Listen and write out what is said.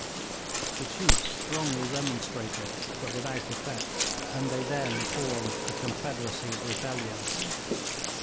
The chiefs strongly remonstrated, but without effect, and they then formed a confederacy of rebellion.